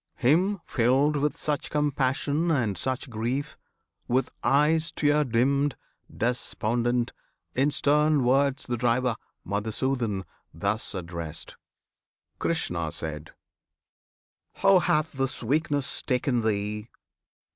Him, filled with such compassion and such grief, With eyes tear dimmed, despondent, in stern words The Driver, Madhusudan, thus addressed: Krishna. How hath this weakness taken thee?